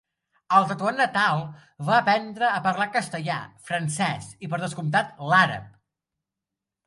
Al Tetuan natal va aprendre a parlar castellà, francès i, per descomptat, l'àrab.